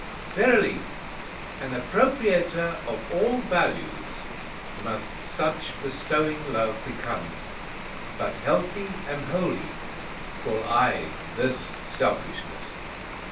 Verily, an appropriator of all values must such bestowing love become; but healthy and holy, call I this selfishness.